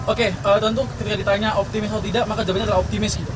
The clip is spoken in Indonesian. oke tentu ketika ditanya optimis atau tidak maka jawabannya adalah optimis sih